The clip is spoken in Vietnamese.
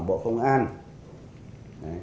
bộ phòng bộ không an